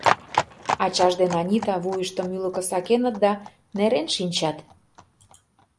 Ачаж ден Анита вуйыштым ӱлыкӧ сакеныт да нерен шинчат.